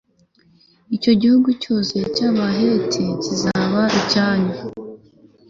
icyo gihugu cyose cy'abaheti kizaba icyanyu